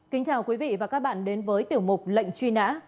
kính chào quý vị và các bạn đến với tiểu mục lệnh truy nã